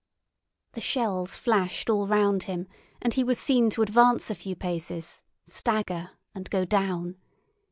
The shells flashed all round him, and he was seen to advance a few paces, stagger, and go down.